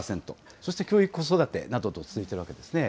そして教育子育てなどと続いているわけですね。